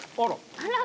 「あら！」